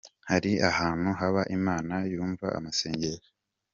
Hari ahantu haba Imana yumva amasengesho.